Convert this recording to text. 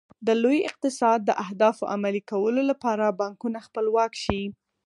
د لوی اقتصاد د اهدافو عملي کولو لپاره بانکونه خپلواک شي.